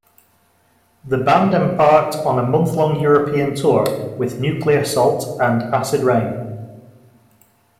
The band embarked on a month-long European tour with Nuclear Assault and Acid Reign.